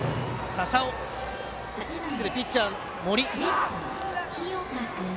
ピッチャーの森。